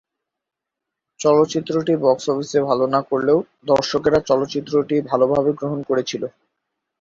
চলচ্চিত্রটি বক্স অফিসে ভাল না করলেও দর্শকেরা চলচ্চিত্রটি ভালভাবে গ্রহণ করেছিল।